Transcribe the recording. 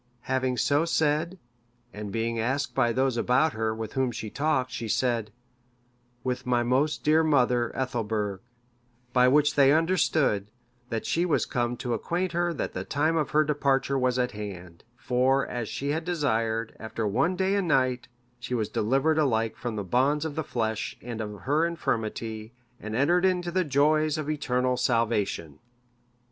Having so said, and being asked by those about her with whom she talked, she said, "With my most dear mother, Ethelburg;" by which they understood, that she was come to acquaint her that the time of her departure was at hand; for, as she had desired, after one day and night, she was delivered alike from the bonds of the flesh and of her infirmity and entered into the joys of eternal salvation.